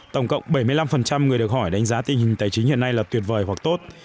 tổng cộng bảy mươi năm người được hỏi đánh giá tình hình tài chính hiện nay là tuyệt vời hoặc tốt